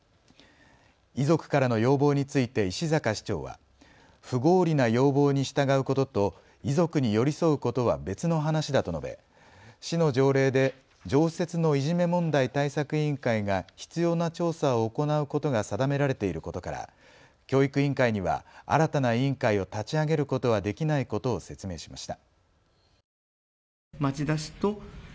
遺族からの要望について石阪市長は不合理な要望に従うことと遺族に寄り添うことは別の話だと述べ市の条例で常設のいじめ問題対策委員会が必要な調査を行うことが定められていることから教育委員会には新たな委員会を立ち上げることはできないことを説明しました。